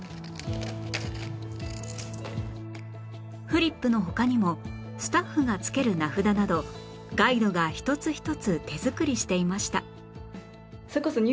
フリップの他にもスタッフがつける名札などガイドが一つ一つ手作りしていました